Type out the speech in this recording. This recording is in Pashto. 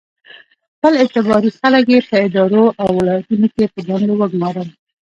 خپل اعتباري خلک یې په ادارو او ولایتونو کې په دندو وګومارل.